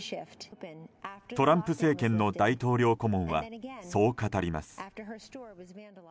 トランプ政権の大統領顧問はそう語ります。